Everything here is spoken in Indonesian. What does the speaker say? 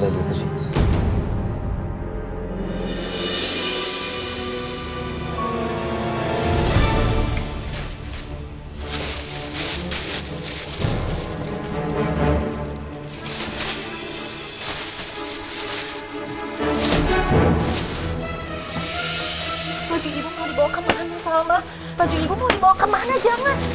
baju ibu mau dibawa kemana salma baju ibu mau dibawa kemana jangan